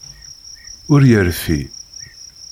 Ur yerfi.